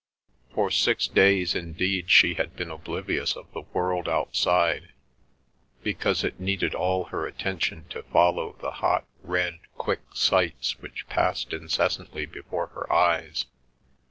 For six days indeed she had been oblivious of the world outside, because it needed all her attention to follow the hot, red, quick sights which passed incessantly before her eyes.